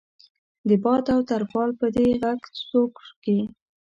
د باد او ترپال په دې غږ ځوږ کې.